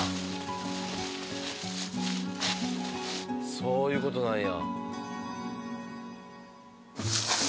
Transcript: そういう事なんや。